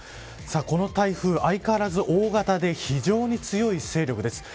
この台風、相変わらず大型で非常に強い勢力です。